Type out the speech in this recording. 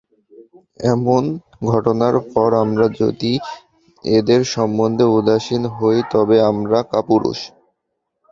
এমন ঘটনার পর আমরা যদি এঁদের সম্বন্ধে উদাসীন হই তবে আমরা কাপুরুষ।